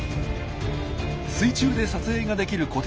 水中で撮影ができる